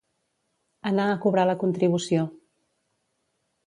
Anar a cobrar la contribució.